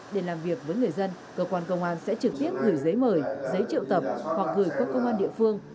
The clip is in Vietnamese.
để làm việc với người dân cơ quan công an sẽ trực tiếp gửi giấy mời giấy triệu tập hoặc gửi các công an địa phương